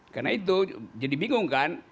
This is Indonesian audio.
karena itu jadi bingung kan